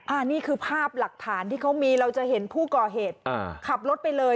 อันนี้คือภาพหลักฐานที่เขามีเราจะเห็นผู้ก่อเหตุขับรถไปเลย